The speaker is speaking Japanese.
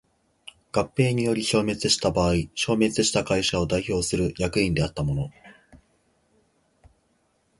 合併により消滅した場合消滅した会社を代表する役員であった者